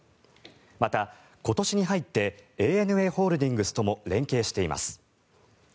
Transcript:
また、今年に入ってＡＮＡホールディングスとも連携しています。